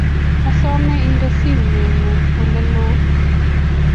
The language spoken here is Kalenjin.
asome inde simengung' ole loo